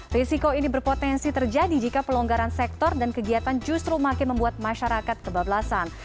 risiko ini berpotensi terjadi jika pelonggaran sektor dan kegiatan justru makin membuat masyarakat kebablasan